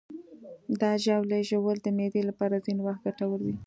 د ژاولې ژوول د معدې لپاره ځینې وخت ګټور وي.